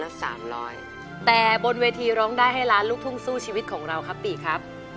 ละสามร้อยแต่บนเวทีร้องได้ให้ล้านลูกทุ่งสู้ชีวิตของเราครับปีครับ